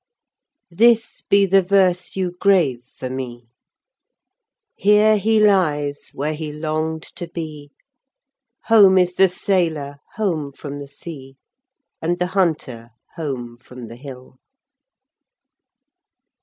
This be the verse you 'grave for me:Here he lies where he long'd to be; Home is the sailor, home from the sea, And the hunter home from the hill.